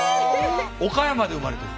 岡山で生まれている。